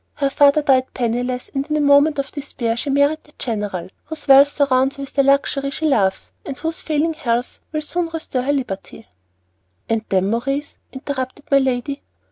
Her father died penniless, and in a moment of despair she married the general, whose wealth surrounds her with the luxury she loves, and whose failing health will soon restore her liberty " "And then, Maurice?" interrupted my lady.